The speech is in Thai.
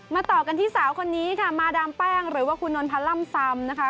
ต่อกันที่สาวคนนี้ค่ะมาดามแป้งหรือว่าคุณนนพันธ์ล่ำซำนะคะ